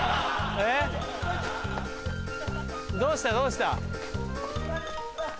どうしたどうした。